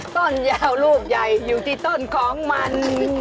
ต้นยาวลูกใหญ่อยู่ที่ต้นของมัน